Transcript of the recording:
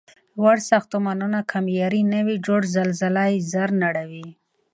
لوړ ساختمونه که معیاري نه وي جوړ، زلزله یې زر نړوي.